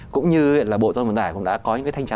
cũng như là bộ tôn vận đại cũng đã có những cái thanh tra